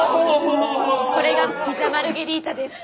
それがピザ・マルゲリータです。